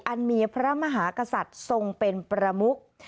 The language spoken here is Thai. อันมีพระมหากษัตริย์ทรงเป็นประมุก